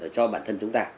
cho bản thân chúng ta